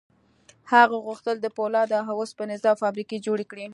هغه غوښتل د پولادو او اوسپنې ذوب فابریکې جوړې کړي